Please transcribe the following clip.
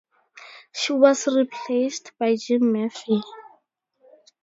She was replaced by Jim Murphy.